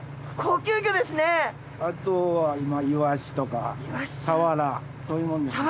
あとは今イワシとかサワラそういうもんです。